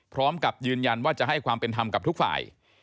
พร้อมกับยืนยันว่าจะให้ความเป็นธรรมกับทุกฝ่าย